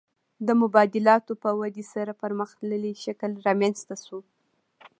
د مبادلاتو په ودې سره پرمختللی شکل رامنځته شو